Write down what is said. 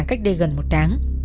cách đây gần một tháng